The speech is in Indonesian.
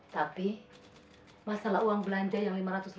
tapi masalah uang belanja yang lima ratus rupiah setiap hari itu